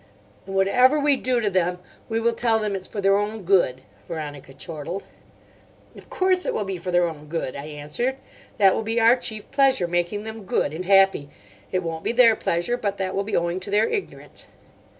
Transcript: "And whatever we do to them we will tell them it's for their own good," Veronica chortled. "Of course it will be for their own good," I answered. "That will be our chief pleasure—making them good and happy. It won't be their pleasure, but that will be owing to their ignorance."